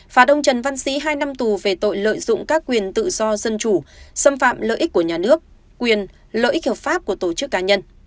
và ông trần văn sĩ hai năm tù về tội lợi dụng các quyền tự do dân chủ xâm phạm lợi ích của nhà nước quyền lợi ích hợp pháp của tổ chức cá nhân